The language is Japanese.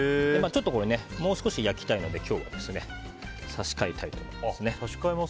もう少し焼きたいので今日は差し替えたいと思います。